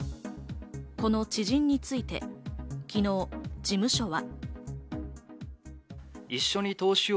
この知人について、昨日、事務所は。